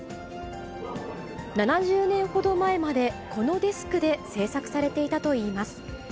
７０年ほど前までこのデスクで制作されていたといいます。